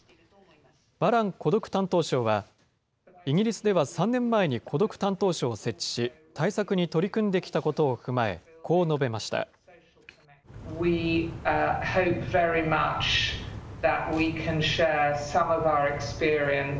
バラン孤独担当相は、イギリスでは３年前に孤独担当相を設置し、対策に取り組んできたことを踏まえ、こう述べました。